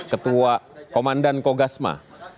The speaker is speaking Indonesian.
ketua komandan kogasma